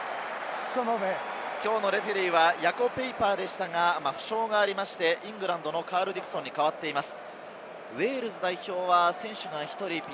きょうのレフェリーはヤコ・ペイパーでしたが、負傷がありまして、イングランドのカール・ディクソンに代わっています。